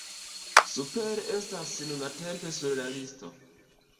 Super estas nuntempe sur la listo.